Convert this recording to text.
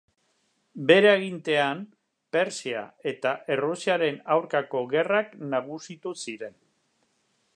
Bere agintean Persia eta Errusiaren aurkako gerrak nagusitu ziren.